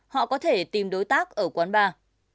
họ có thể tìm đối tác ở quán bar